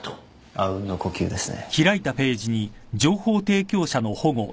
あうんの呼吸ですね。